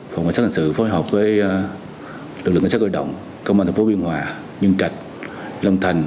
phòng bảo sát hành sự phối hợp với lực lượng cảnh sát gọi động công an tp biên hòa nhân cạch lâm thành